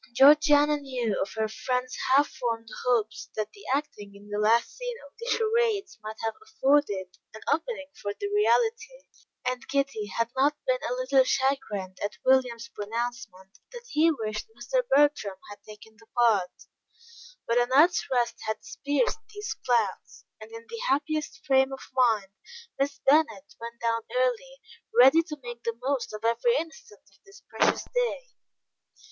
Georgiana knew of her friend's half formed hopes that the acting in the last scene of the charades might have afforded an opening for the reality, and Kitty had not been a little chagrined at William's pronouncement that he wished Mr. Bertram had taken the part, but a night's rest had dispersed these clouds, and in the happiest frame of mind, Miss Bennet went down early, ready to make the most of every instant of this precious day.